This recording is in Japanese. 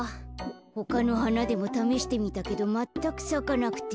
ほかのはなでもためしてみたけどまったくさかなくて。